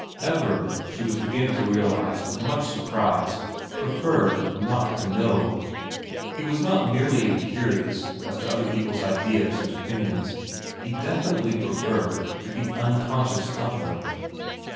Everard, she was beginning to realise with much surprise, preferred not to know. He was not merely incurious as to other people's ideas and opinions, he definitely preferred to be unconscious of them.